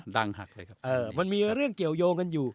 หักเลยครับมันมีเรื่องเกี่ยวยงกันอยู่